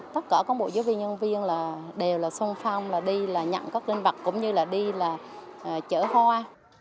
tất cả các bộ giáo viên nhân viên là đều là xuân phong là đi là nhận các linh vật cũng như là đi là chở hoa